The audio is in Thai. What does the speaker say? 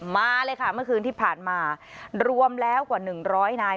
มาเลยค่ะเมื่อคืนที่ผ่านมารวมแล้วกว่า๑๐๐นาย